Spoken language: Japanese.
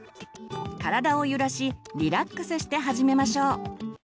体を揺らしリラックスして始めましょう。